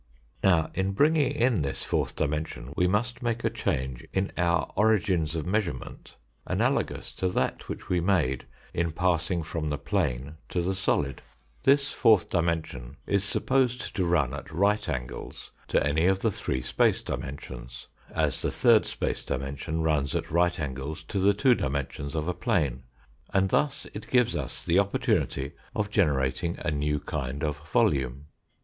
Now in bringing in this fourth dimension we must make a change in our origins of measurement analogous to that which we made in passing from the plane to the solid. 96 ftfE FOUlVrti DIMENSION This fourth dimension is supposed to run at right angles to any of the three space dimensions, as the third space dimension runs at right angles to the two dimen sions of a plane, and thus it gives us the opportunity of generating a new kind of volume.